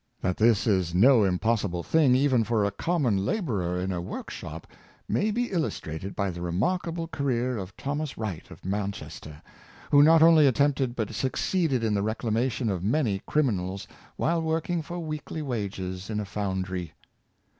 That this is no impos sible thing even for a common laborer in a workshop, may be illustrated by the remarkable career of Thomas Wright of Manchester, who not only attempted but succeeded in the reclamation of many criminals while working for weekly wages in a foundry.